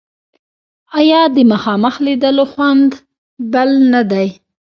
آیا د مخامخ لیدلو خوند بل نه دی؟